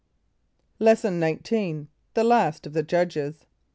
= Lesson XIX. The Last of the Judges.